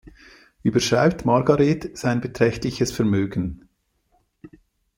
Überschreibt Margaret sein beträchtliches Vermögen.